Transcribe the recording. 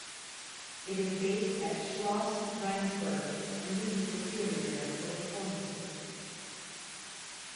It is based at Schloss Rheinsberg and uses the theatre there for performances.